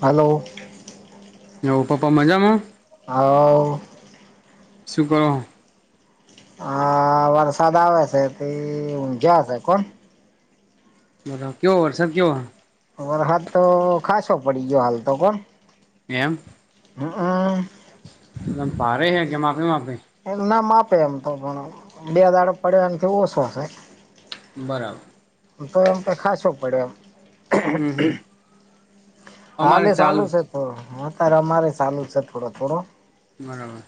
Hello. એવુ પપ્પા મજામાં હ. શું કરો હ વરસાદ આવે સે તે ઊંઘ્યા હતા કો બોલો કેવો હો વરસાદ કેવો હો? વરહાદ તો ખાંસો પડી ગયો હાલ તો કો એમ. હમ્મ. ભારે હે કે માાપે માપે એનું નામ આપે એમ તો પણ બે દાડો પડે એનથી ઓસો શે. બરાબર. તો એમ તો ખાશો પડે એમ હમ હમ અમારે હાલે સાલુ ચાલુ જ સે. ઓ અતારે અમારે ચાલુ સે થોડો થોડો બરાબર.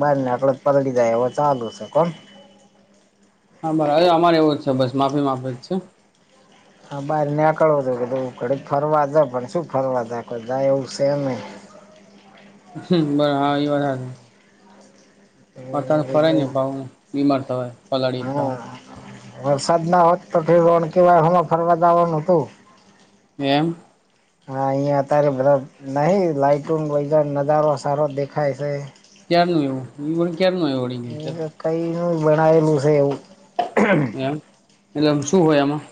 બહાર નેકળો તો પલળી જાય એવો ચાલુ સે કો [unintelligible] હવે અમારે એવું જ સે બસ માફી માફી જ છે. હા બહાર નીકળવો તો કે ઘડી ફરવા જ પણ શું ફરવા જાય કોઈ જાય એવું સે નહીં હમ્મ બરા હા એ [unintelligible] એ અ તને ફરાય ની કીધું પણ બીમાર થવાય પલાળએ તો. હા વરસાદ ના હોત તો [unintelligible] એમ. હા અહિયાં અત્યારે બધું નહીં લાઈટંગ નજારો સારો દેખાય સે. ક્યારનું એવું ક્યારેારનું આવું વળી ગયું સે. કંઈનું બનાવેેલું છે એવું. એમ એટલેમ શું હોય એમાં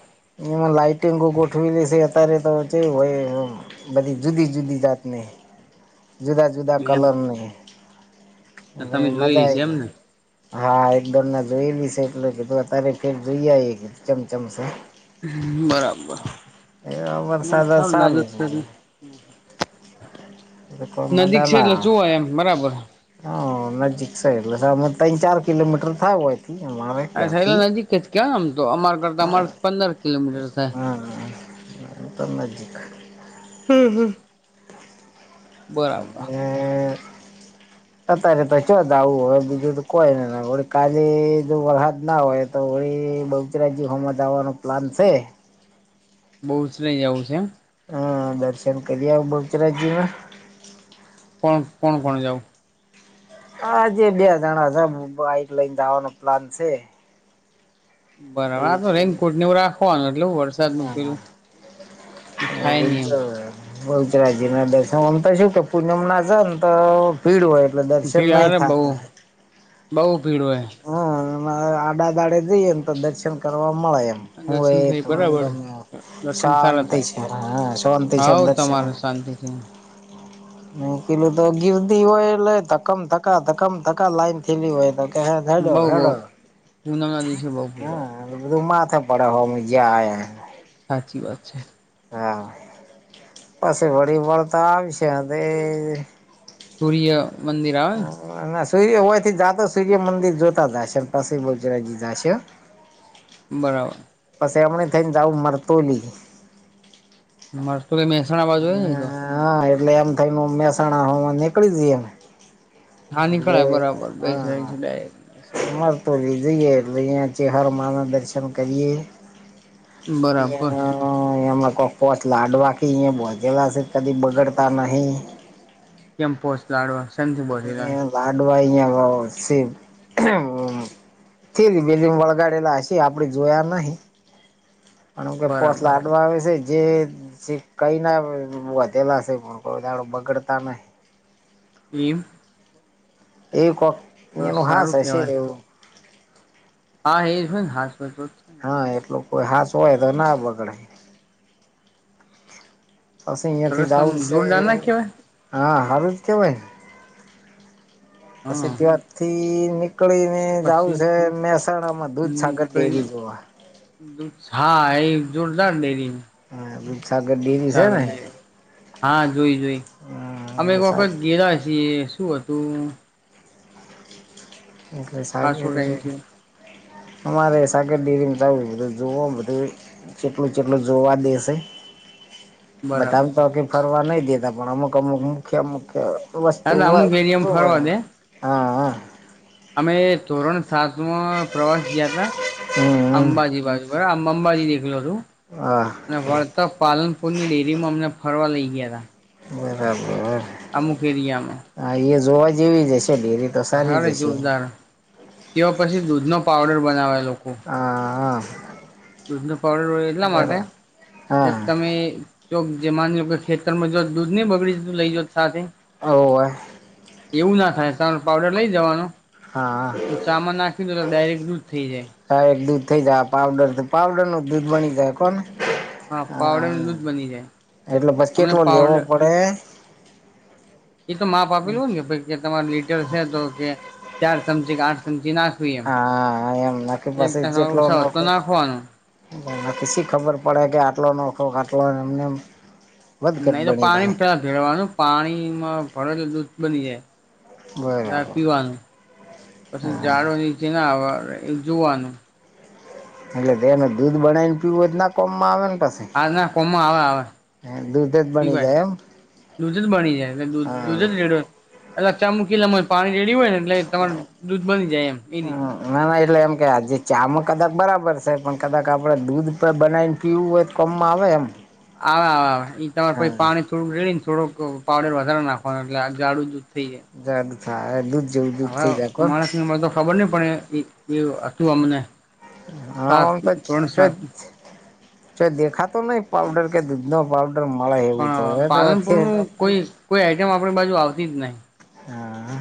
એમાં લાઇટીંગો ગોઠવીત્યારે તો [unintelligible] બધી જુદી જુદી જાતની જુદા જુદા એમ કલરની. અને તમે મજા જોઈ આય છે જાય. એમને હા એક દોમ ના જોઈ લી સે એટલે કે અતારે કે જઈઆઈએ ચમચમ સે. બરાબર એ વરસાદ ચાલુ [unintelligible] નજીક છે એટલે જોવાય એમ બરાબર [unintelligible] હ નજીક સે એટલે [unintelligible] ચાર કિલોમીટર થાય હોય. ત માે. [unintelligible] અ સહેલા નજીક જ ક્યા આમ તો અમારા ઘર હા અમારે પંદર કિલોમીટર થાય. હા તો નજીક હમ હમ. એ. અત્યારે તોછ જ આવું હોય બીજું તો કોઈ ને કાલી જો વરહાદ ના હોય. તો વળી બહુચરાજી ઘમાં જવાનો પ્લાન છે. બહુ જહી જવું છેમ. હા દર્શન કરી આવ બહુચરાજીમા કોણ કોણ કોણ જાઉ હ આજે બે જણા છે બાઈક લઈને આવવાનો પ્લાન છે. તે બરાબર આ તો રેનકોટ ને એવું રાખવાનું એટલેું વરસાદ ન હા પેલું-' થાાય નય આમ બહુચરાજીના દર્શન તો ઓમ તો પૂનમ ના તો ભીડ હોય એટલે દર્શન નહી થતા હોય. બહુ ભીડ હોય. હમ આડાદાડે જઈએ એમ તો દર્શન કરવા મળે એમ હું એ દર્શન થઈ તો વા બરાબર ગમે દર્શન સારા શાંતિ થાય છે હ શાંતિ છે દર્શન શાંતથી. ન પેલું તો ગિરદી હોય એટલે ધકમ ધકા ધકમ ધકા લાઈન થેલી હોય. થેડ હેડ બઉ બઉ પૂનમ ના દિવસે બઉ ભીડ હા, હોય ધું માથે પરડ હોમજ સાચી વાત છે. હા પછી વળી વળતા આવશે સૂર્ય મંદિર ના સૂર્ય હોય થી જાતો સૂર્ય મંદિર જોતા જાય છે પી બચરાજી જાય છે. બરાબર. પછી એમને થઈને જાવું મરતો લ મારે મહેસાણા બાજુ હોય ન તો-' હા એટલે એમ થઈને મહેસાણામાં નીકળી જ એને હા નીકળાય બરાબર બેસ ર છેટ હર તો લી જઈએ એટલે અહં ચ હર ના દર્શન કરીએ. એ. બરાબર અ એમના કોઈક કોચ લાડવા ક અહી ભોચેલા છે કદી બગડતા નહિ. કેમ પોસ્ટ લાડવો સેનથી બને લા લાડ ભાઈ અયા શ. [unintelligible] ફે બેલી વળગાડેલા હશે આપડે જોયા નહીં. અને કે પોસ બરાબર લાટવા આવે છે જ જે જે કંઈ ના વધેલાશે પણ કોઈ દાડો બગડતા નહીં. એમ એ કક તો ન હાાસ સારું હ છે કેવાય એવું હા એ હાસપસ પ હા એટલું કોઈ હાાસ હોય તો ના બગડે પશે અહિયાયાથી સરસ આમ જઉુંશે જોરદાર ના કેવાય હા હારત હા કેવાનછી વાથી કળ ને જવું પછી છે મહેસાણા માં દૂધસાગર ડેરી નીકળી જોવા દૂધ હા એ જોરદારને ડેરી હા દૂધસાગર દૂધ ડેરી છે સાર ને ડેરી હા જોઈ જોઈ અમે એક હા વખત ગેલા છીએ શું હતું. એકલે સાાર ખાસો ટાઈમ થયો હ મારે શગ જો જેટલું જેટલું જોવા દેશે બતાવ બરાબર તો કે ફરવા નઈ દેતા પણ અમુક અમુક મુખ્ય અમુખ્ય વસ્તુ ના અમુક શ એરિયામાં ફરવા દે હા અમે ધરણ સાતમાં પ્રવાસ ગયા હતા હમ અંબાજી બાજુ અંબાજી અંબાજી નીકણો છુ. હા અને વળતા પાલનપુર ની ડેરી માં અમને ફરવા લઇ ગયા હતા. બરાબર અમુખ એરિયામાં હા એ જોવા જેવી જ હશે ડેરી તો સારી જ હશે. તે પછી દૂધ નો પાવડર બનાવે લોકો હા દૂધ નો પાવડર હોય, એટલા માટે બરાબર એક હા તમે ચોક જે માની લો કે ખેતરમાં જો દૂધ નહી બગડીધું લઇ જા સાથે ઓવે એવું ના થાય ચ પાવડર લઈ જવાનો હા ચામા નાખી દો તો ડાયરેક્ટ દૂઝ થઈ જાય. હા એક દૂધ થઇ જાય પાવડર પાવડર નું દૂધ બની જાય કોને હા પાવડર દૂધ બની જાય એટલે અમને બસકેટલો લેવો પાવડર પડે એ તો માપ આપી લે ને કે ભ કે તમાું લીટર છે તો કે ચાર ચમચી કે આઠ ચમચી ના હ એમ નાખ બસ જે તમારે જેટલા ન ઉછાવત તો નાખવાનું પછી ખબર પડે કે આટલો નખો આટલો એમને વધઘટ નહી તો બની જાય પાણી ફર ભરવાનું પાણીમાં ભર તો દૂધ બની જાય રાબ બરાબર પીવાનુ પછી ઝાડો નીચે ના આવેવા એ જોવાનુ એટલે તેનું દૂધ બનાવી ને પીવું ના કોમમાં આવે ને પછ હા ના કોમાં આવે આવે દૂધ જ બની શવાય જાય એમ દૂધ જ બની જાય એટ હા દૂધ જ રેડો એટલે ચા મૂકીલા પાણી રેડી હોય, ને એટલે તમાર દૂધ બની જાય એમ એ રીતના ના ના એટલે એમ કે આજે ચામાં કદાચ બરાબર છે પણ કદાચ આપણે દૂધ પણ બનાવીને પીવું હોય, તો કમ આવે એમ આવે આવે આવે ઈ તમારે પ હા પાણી થોડું રેડી ને થોડોક પાવડર વધારે નાખવાનો એટલે આઝાડું દૂધ થઈ જાય. દ દ થાય દૂધ જેવું દૂધ હવે થઈ જાાયકો માણસને મને તો ખબર નહીં પડે એ એ હતુ અમને સાત હામ તો ત્રણ સાત ચ દેખા તો નહી પાઉડર કે દૂધ નડર મળે એવું તો પણ હવે તો પાલનપુરનું કોઈ કોઈ આઈટમ આપણી બાજુ આવતી જ નહી. હા હા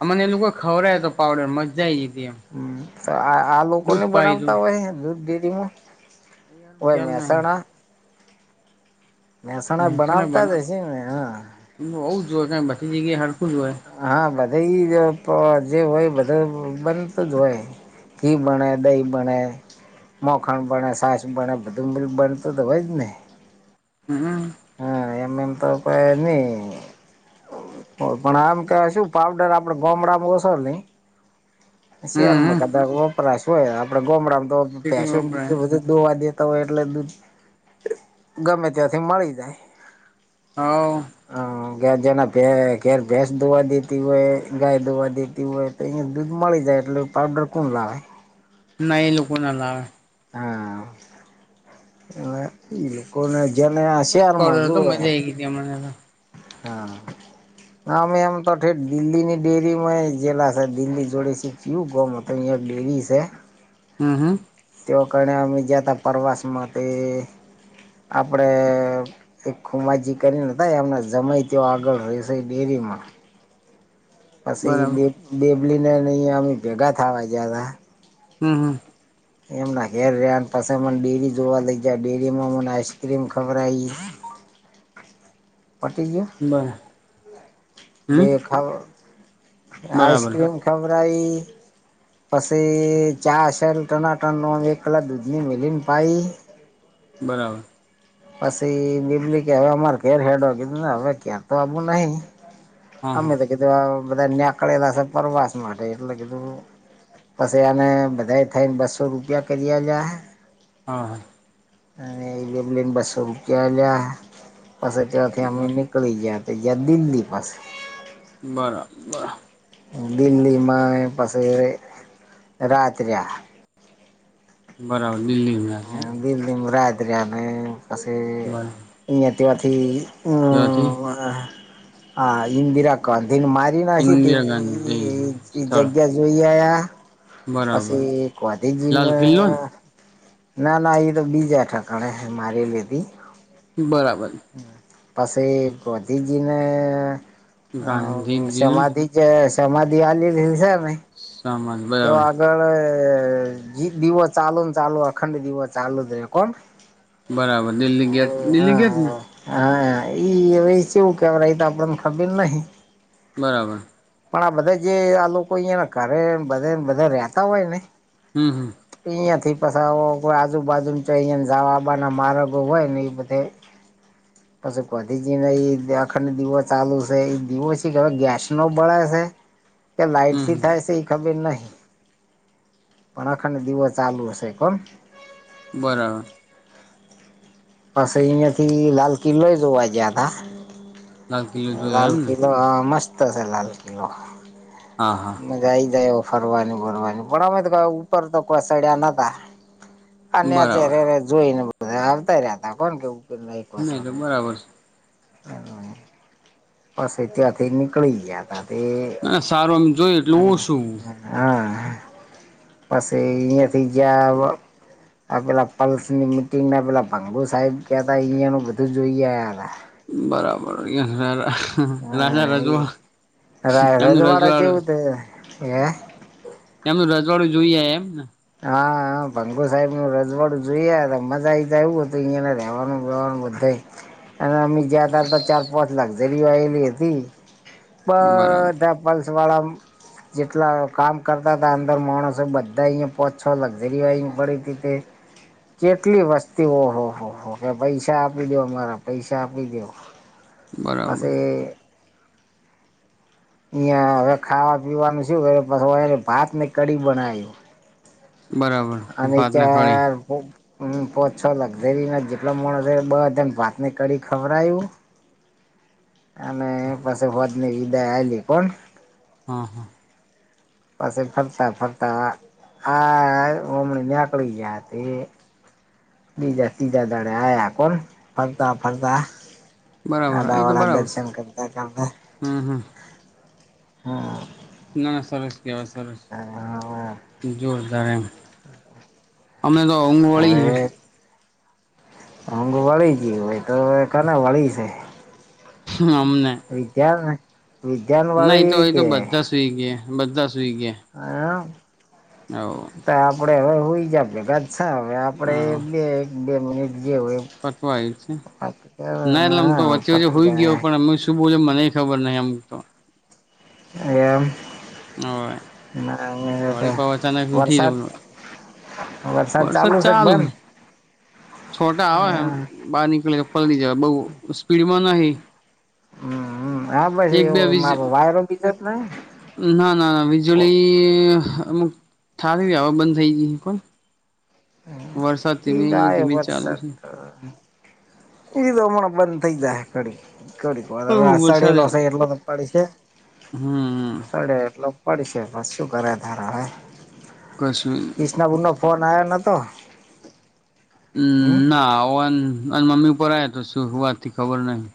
અમને એ લોકો ખવરાય તો પાવડર મજા આયી ગી તી એમ હમ્મ આ આ લોકો ને દૂધ પાય તું બનાવતા હોય દૂધ ડેરીમા ઓય ખ્યાલ નહી મહેસાણા મહેસાણા બનાવતા જ હશે ને હોઉ જ જોવ કારણ કે બધી જગ્યાએ હરખું જ હોય. હા બધા ઈજ જે હોય બધે બનતું જ હોય. ઘી બણે દઈ બણે મોખણ બણે સાસ બણે બધું બનતું તો હોય જ ને હમ્મ. હા એમ એમ તો કોયની. પણ આમ કહેવાય શું પાવડર આપડે ગામડામાં ઓસો નઈ સેહર માં હમ કદાચ વપરાશ હોય આપડે ગોમડામાં તો ભેંસો સિટીમાં વપરાય બીજું બધું દોવા દેતા હોય એટલે દૂધ ગમે ત્યાંથી મળી જાય. હઓ હ ગેજે ના ઘેર ભેંસ દોવા દેતી હોય ગાય દોવા દેતી હોય તો અહીંયા દૂધ મળી જાય એટલે પાવડર કોણ લાવે. ના એ લોકો ના લાવે હા હવે એ લોકોને જેને આ મસ્ત શેહેર માં પાવડર હતો જોએ. મજા આઈ ગઈ તી અમને તો હા. અમે એમ તો ઠેઠ દિલ્હીની ડેરીમાં જેેલા છે દિલ્હી જોડીશી. ચિયુ ગોમ ઈયા ડેરી સે હમ્મ હમ્મ તેઓ કારણે અમે જ્યાંતા પ્રવાસમાં તે આપણેે એક ખુમાજી કરીને હતા એમ નો જમાય ત્યોં આગળ રહે શે ડેરીમાં પછી એ બરાબર બે બેબલીને અહીંયા અમે ભેગા થાવા જ્યાં તા હમ્મ હમ્મ એમના ઘેર રિયા પછે મને ડેરી જોવા લઈ ગ્યા ડેરી માં મને આઈસ ક્રીમ ખવરાઈ પટી બરા જ્યુ હમ દેખાવ બરાબર આઈસક્રીમ ખવરાઈ પછી ચાસર ટનાટન નો એકલા દૂધની મેંલીન પાઈ બરાબર પછી બીબલી કે હવે અમારે ઘેર હેડો કીધું ના હવે ક્યાં તો આવું નહી હા અમે હા તો કીધું આ બધા નેકળેલા સા પરવાસ માટે એટલે કીધું પછી એને બધા થઈને બસ્સો રૂપિયા કરી અલ્યા હા હા અને ઈ બેબલી ને બસ્સો રૂપિયા આલ્યા પસે ત્યોથી અમે હા નિક કો લઈ જ્યાં તો જ્યાદિન ની પાસે બરા બરા દિલ્હીમાં એ પસી રાત રીયા. બરાબર દિલ્હી માં રિયા એમ દિલ્હી માં રાત રહ્યાને પછી બરાબર ઈયા, ત્યાંથી ત્યાંથી હમ્મ હા ઇન્દિરા ગોંધીન માં [unintelligible] એ ઇન્દિરા ગાંધી સ્થળ જગ્યા જોઈ આયા. બરાબર પછી લાલ ગોધીજીને કિલ્લો ને ના ના એ તો બીજા ઠકાણે મારી લીધી બરાબર પછી ગોધિજીને અ ગાંધીજીને સમાધિ જે સમાધિ આલી [unintelligible] ને સમાજ તે બરાબર આગળ જી દિવો ચાલુ ને ચાલુ અખંડ દિવસ ચાલુ જ રે કોન બરાબર દિલ્હી ગેટ દિલ્હી ગેટ ને હા ઈ હવે ચવું કેવરય ઈ તો આપડન ખબર નહી. બરાબર પણ આ બધા જે આ લોકો ઈયના ઘરે બધે બધા રેતા હોય ને હમ્મ અહીયાથી પસ [unintelligible] કોઈ આજુબાજુમ ચેય ઈયન જવા આબાના માર્ગો હોય ને ઈ બધે પસે ઘોધીને ઈ જ્યા અખંડ દીવો ચાલુ છે ઈ દીવો શીખ હવે ગેસ નો બળે સે [inaudible] કે હમ લાઈટથી હમ થાય છે ઈ ખબર નહી પણ અખંડ દિવો ચાલુ હશે. પમ બરાબર પસે ઈયાથી લાલ કિલ્લોય જોવા જયા તા લાલ કિલ્લો જોયો લાલ એમ ને કિલ્લો હા મસ્ત શે લાલ કિલ્લો હા હા મજા આઈ જાય એવો ફરવાની ફરવાની પણ અમે તો ઉપર તો કોઈ સડ્યા નતા આ નેચે બરાબર રેરે જોઈ ને બધા આવતા રહ્યાતા કોન કેવું. ઉપર નઈ કોય નહી તો સડવું બરાબર છે [unintelligible] પસ પહી ત્યો થઈને નીકળી ગયા તા તે ના સારું એમ જોઈએ એટલે ઓસુ હા પસે ઈયથી જ્યા વ આ પેલા પલ્સની મિટંગ ના પેલા ભંગુ સાહેબ કેતા એયાનું બધું જોઈ આયા હતા. બરાબર ઈય હેરા હા એ રાય એમનું રાજવાડા રજવાડું જેવું તે હે એમનું રજવાડું જોઈ આયા એમ ને. હા ભંગુ સાહેબ નું રજવાડું જોઈયાયાતા મજા આઈ હતું ઈયને રહેવાનુંબેવાનું બધાય. [inaudible] અને અમી જ્યા તારતો ચાર પોચ લક્ઝરીયું આયેલી હતી બરાબર બધા પલ્સ વાળા જેટલા કામ કરતા તા અંદર માણસો બધા ઈએ પોચ છો લક્ઝરી આઇન પડી તી તે. જેટલી વસ્તીઓ ઓહોહો કે પૈસા આપી દો અમારા પૈસા આપી દો. બરાબર પસી ઈયા હવે ખાવા પીવાનું શું કરે [unintelligible] ભાતને કડી બનાયું. બરાબર અને ભાતના કળી [unintelligible] પો છ લકઝરી ના જેટલો માણસ બધા ને ભાતને કડી ખવડાવ્યું. અને પાછ વડા ના લીધા આલી પણ હા હા. પાછ ફરતા ફરતા આ ઓમણી નીકળી ગયા હતી. બીજા ત્રીજા દાડે આયા કોન ફરતા ફરતા બરાબર એ તો અડાઅવળા બરાબર દર્શન કરતા કરતા. હમ હમ. હમ. ના ના સરસ કેવા સરસ [unintelligible] જોરદાર એમ અમને તો હ ઊંઘવાળી હુંગ વળી જી હોય તોવે કને વાળી સે અમને વિદ્યાન ને વિદ્યાન ના એ તો વાળી એ કે તો બધા સુઈ ગયા બધ્ધા સુઈ ગયા. આ તા આપડે હવે હુઈ જ્યા ભેગા જ સ હવે આપડે બે એક બે મિનિટ જે હોય પટવા આયુ છે એમ ના એટલે ઓમ તો વચ્ચે વચ્ચે પતી હુઇ જાય ગયો પણ એમજ શું બોલો મને ખબર નહી એમ તો. એમ [unintelligible] નાતે વળી પાવ અચાનક ઉઠી જઉ વરસાદ વરસાદ ચાલુ છે કે બંધ. છોટા આવે એમ બહાર નીકળે એપલ જમા બહુ સ્પીડમાં નહીં. હમ હા બે વીજ એવ વાયરો બીજ જ ને. ના ના ના વીજળી આમુખ થઠારીવા બંધ થઈ ગઈ છે પણ વરસાદ ઈ ધીમી આયો ધીમેી ચાલુ છે. એવી તો હમણાં બંધ થઈ જાય. ડી કડીકવે ઓહ આષઢી વરસાદ આયો અડાડે પાડી છે. હમ સડે એટલો પડીશે બસ શું કરે તાર હવે કશું [unintelligible] ફોન આવ્યો નહો તો હમ ના આવ મમ્મી ઉપર આ્યા તો શું વાત થી ખબર નહી.